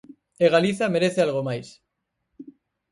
E Galiza merece algo máis.